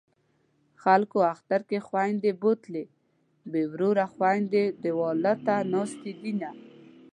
خلکو اختر کې خویندې بوتلې بې وروره خویندې دېواله ته ناستې دینه